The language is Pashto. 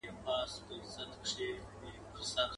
نه به ډزي وي، نه لاس د چا په وینو.